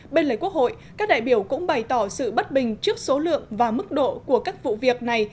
bên lề quốc hội các đại biểu cũng bày tỏ sự bất bình trước số lượng và mức độ của các vụ việc này